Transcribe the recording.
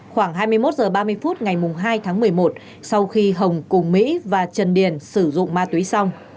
khoảng hai mươi một h ba mươi phút ngày hai tháng một mươi một sau khi hồng cùng mỹ và trần điền sử dụng ma túy xong